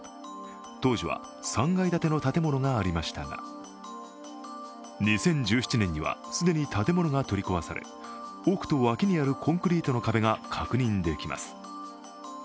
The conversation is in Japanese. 当時は３階建ての建物がありましたが、２０１７年には既に建物が取り壊され、奥と脇にあるコンクリートの壁が確認できます。